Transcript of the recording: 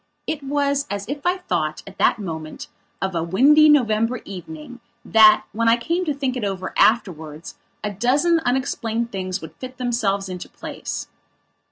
It was as if I thought, at that moment, of a windy November evening, that, when I came to think it over afterwards, a dozen unexplained things would fit themselves into place.